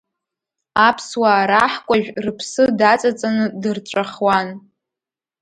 Аԥсуаа раҳкәажә рыԥсы даҵаҵаны дырҵәахуан.